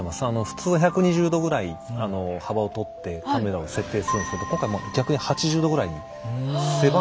普通１２０度ぐらいあの幅をとってカメラを設定するんですけど今回逆に８０度ぐらいに狭めてるんですよ。